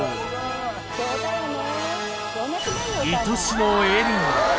そうだよね。